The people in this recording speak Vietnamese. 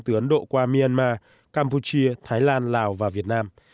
từ ấn độ qua myanmar campuchia thái lan lào và việt nam